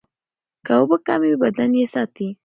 که اوبه کمې وي، بدن یې ساتي.